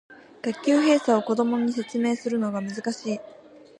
学級閉鎖を子供に説明するのが難しい